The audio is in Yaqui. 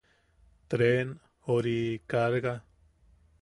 Treen... ori... kaarga....